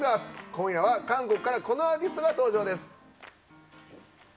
今夜は韓国からこのアーティストが登場です。